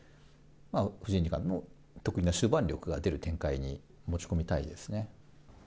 藤井二冠の得意な終盤力が出る展開に持ち込みたいですね。